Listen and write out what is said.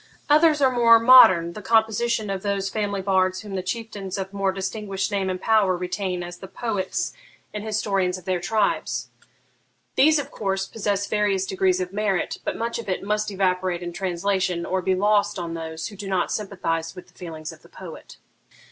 Others are more modern, the composition of those family bards whom the chieftains of more distinguished name and power retain as the poets and historians of their tribes. These, of course, possess various degrees of merit; but much of it must evaporate in translation, or be lost on those who do not sympathise with the feelings of the poet.'